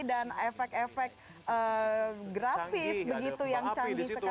dan efek efek grafis begitu yang canggih sekali